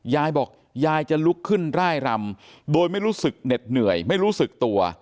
ยายบอกยายจะลุกขึ้นร่ายรำโดยไม่รู้สึกเหน็ดเหนื่อยไม่รู้สึกตัว